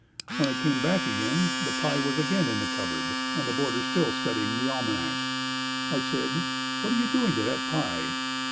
When I came back again, the pie was again in the cupboard and the boarder still studying the almanac. I said, "What are you doing to that pie?"